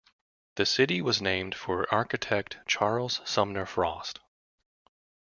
The city was named for architect Charles Sumner Frost.